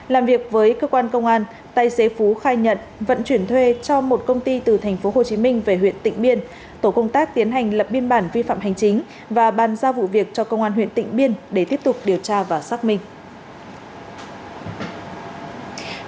làm việc với cơ quan công an tài xế phú khai nhận vận chuyển thuê cho một công ty từ thành phố hồ chí minh về huyện tịnh biên tổ công tác tiến hành lập biên bản vi phạm hành chính và ban ra vụ việc cho công an huyện tịnh biên để tiếp tục điều tra và xác minh